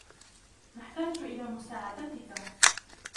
نحتاج إلى مساعدتك.